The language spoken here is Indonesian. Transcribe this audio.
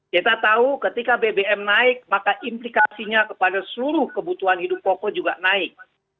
kita tahu ketika bbm naik maka implikasinya kepada seluruh kebutuhan hidup pokok juga naik